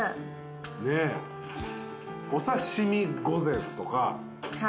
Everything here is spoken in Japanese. お刺身御膳とか。